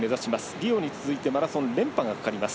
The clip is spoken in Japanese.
リオに続いてマラソン連覇がかかります。